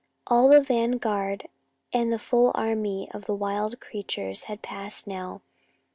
All the vanguard and the full army of wild creatures had passed by now.